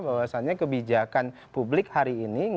bahwasannya kebijakan publik hari ini